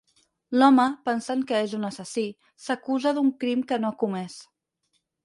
L'home, pensant que és un assassí, s'acusa d'un crim que no ha comès.